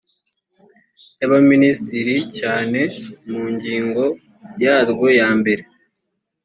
y abaminisitiri cyane mu ngingo yaryo ya mbere